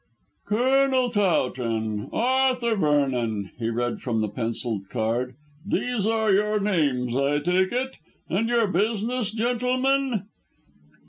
"Colonel Towton Arthur Vernon," he read from the pencilled card. "These are your names, I take it? And your business, gentlemen?"